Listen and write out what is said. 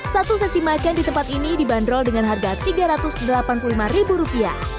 satu sesi makan di tempat ini dibanderol dengan harga rp tiga ratus delapan puluh lima